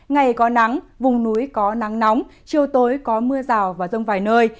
ngày có nắng vùng núi có nắng nóng chiều tối có mưa rào và rông vài nơi